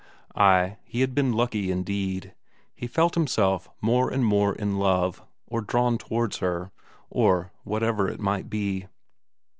Ay, he had been lucky indeed; he felt himself more and more in love, or drawn towards her, or whatever it might be.